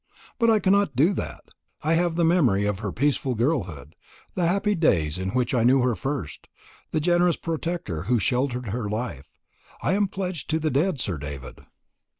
But I cannot do that. I have the memory of her peaceful girlhood the happy days in which I knew her first the generous protector who sheltered her life. I am pledged to the dead, Sir David."